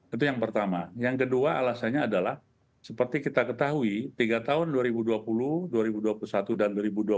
itu yang pertama yang kedua alasannya adalah seperti kita ketahui tiga tahun dua ribu dua puluh dua ribu dua puluh satu dan dua ribu dua puluh satu